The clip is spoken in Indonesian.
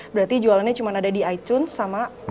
berarti jualannya cuma ada di itunes sama rbt